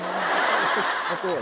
あとは。